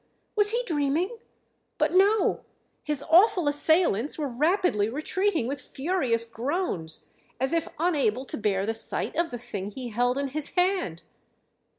Was he dreaming? But no ... his awful assailants were rapidly retreating with furious groans, as if unable to bear the sight of the thing he held in his hand!